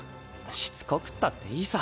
しつこくったっていいさ。